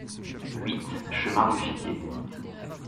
huit chemin du Figuier